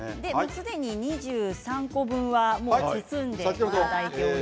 すでに２３個分は包んでいただいています。